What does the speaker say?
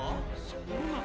・そうなの？